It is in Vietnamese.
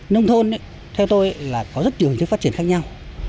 nông thôn theo tôi là có rất nhiều phát triển khác nhau